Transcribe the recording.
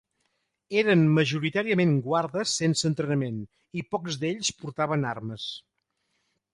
Eren majoritàriament guardes sense entrenament i pocs d'ells portaven armes.